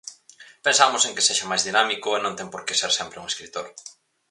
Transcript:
"Pensamos en que sexa máis dinámico e non ten porque ser sempre un escritor".